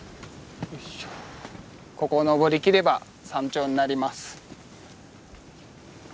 ここを登りきれば山頂になります。